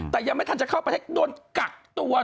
แต่ยังไม่ทันจะเข้าไปให้โดนกักตัวเถอะ